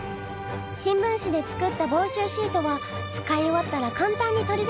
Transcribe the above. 新聞紙で作った防臭シートは使い終わったら簡単に取り出すこともできます。